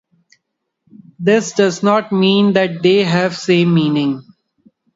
This does not mean that they have the same meaning.